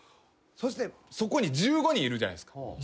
そしてそこに１５人いるじゃないですか。